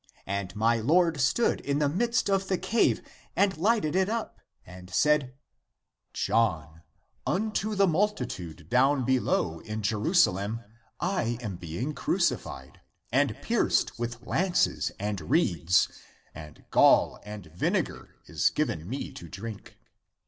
And my Lord stood in the midst of the cave and lighted it up, and said, John, unto the multitude down below in Jerusalem I am being crucified, and pierced with lances and reeds, and gall and vinegar is given me to drink.